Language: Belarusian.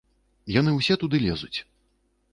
Яны ўсе туды лезуць.